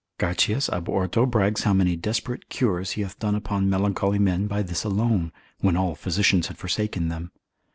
Garcias ab Horto brags how many desperate cures he hath done upon melancholy men by this alone, when all physicians had forsaken them.